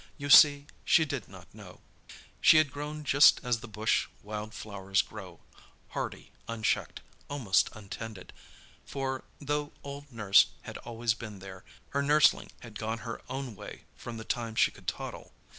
You see, she did not know. She had grown just as the bush wild flowers grow—hardy, unchecked, almost untended; for, though old nurse had always been there, her nurseling had gone her own way from the time she could toddle.